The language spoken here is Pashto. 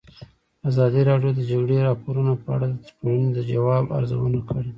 ازادي راډیو د د جګړې راپورونه په اړه د ټولنې د ځواب ارزونه کړې.